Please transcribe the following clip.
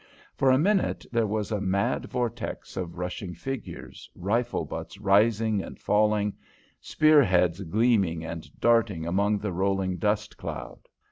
For a minute there was a mad vortex of rushing figures, rifle butts rising and falling, spearheads gleaming and darting among the rolling dust cloud.